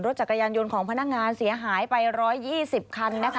จักรยานยนต์ของพนักงานเสียหายไป๑๒๐คันนะคะ